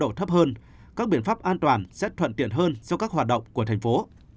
tốc độ thấp hơn các biện pháp an toàn sẽ thuận tiện hơn cho các hoạt động của thành phố